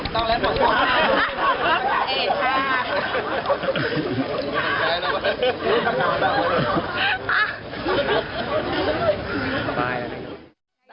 ตายละ